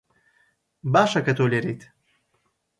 باشە کە تۆ لێرەیت.